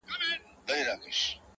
روح مي خبري وکړې روح مي په سندرو ويل’